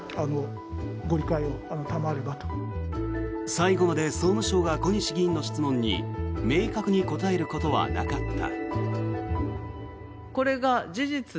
最後まで総務省が小西議員の質問に明確に答えることはなかった。